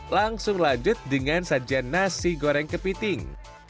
langsung lanjut dengan sajian nasi goreng kepiting